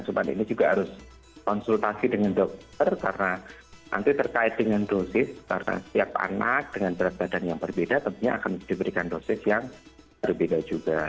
cuma ini juga harus konsultasi dengan dokter karena nanti terkait dengan dosis karena setiap anak dengan berat badan yang berbeda tentunya akan diberikan dosis yang berbeda juga